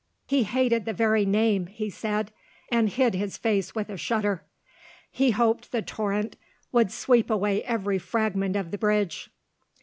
He hated the very name, he said, and hid his face with a shudder. He hoped the torrent would sweep away every fragment of the bridge.